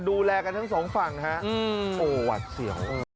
ดูแลกันทั้งสองฝั่งฮะโอ้หวัดเสียว